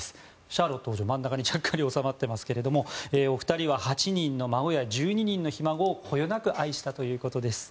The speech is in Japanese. シャーロット王女は真ん中にちゃっかり収まっていますがお二人は８人の孫や１２人のひ孫をこよなく愛したということです。